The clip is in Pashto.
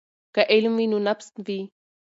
که علم وي نو نفس وي.